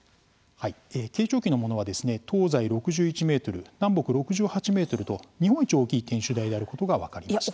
慶長期のものは東西６１ｍ、南北６８ｍと日本一大きい天守台であることが分かりました。